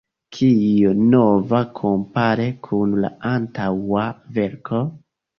Kio nova kompare kun la antaŭa verko?